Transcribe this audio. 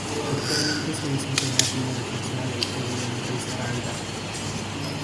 Actualmente se desempeña como Defensora del Pueblo en Risaralda.